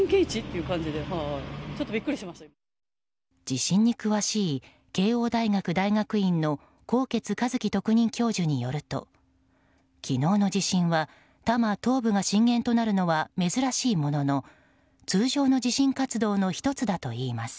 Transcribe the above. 地震に詳しい慶應大学大学院の纐纈一起特任教授によると昨日の地震は、多摩東部が震源となるのは珍しいものの通常の地震活動の１つだといいます。